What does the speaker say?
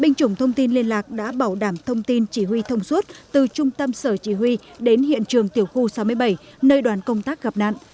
binh chủng thông tin liên lạc đã bảo đảm thông tin chỉ huy thông suốt từ trung tâm sở chỉ huy đến hiện trường tiểu khu sáu mươi bảy nơi đoàn công tác gặp nạn